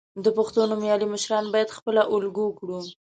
د پښتو نومیالي مشران باید خپله الګو کړو.